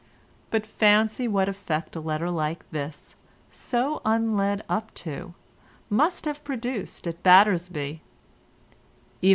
But fancy what effect a letter like this—so unled up to—must have produced at Battersby!